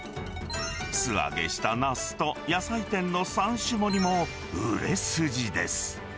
素揚げしたナスと野菜天の３種盛りも売れ筋です。